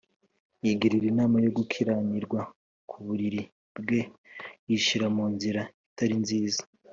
Yigirira inama yo gukiranirwa ku buriri bwe, yishyira mu nzira itari nziza